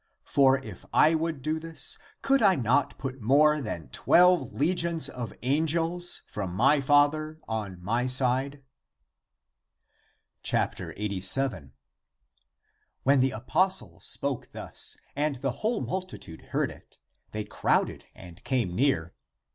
For if I would do this could I not put more than twelve legions of angels from my Father on my side?"'' 87. When the apostle spoke thus and the whole multitude heard it, they crowded and came near.